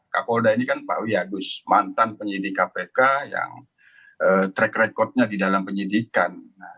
kak polda ini kan pak wiyagus mantan penyidik kpk yang track record nya di dalam penyidikan